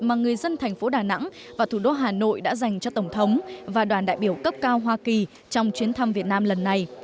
mà người dân thành phố đà nẵng và thủ đô hà nội đã dành cho tổng thống và đoàn đại biểu cấp cao hoa kỳ trong chuyến thăm việt nam lần này